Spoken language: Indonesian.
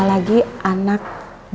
apalagi anak balita seperti rena ini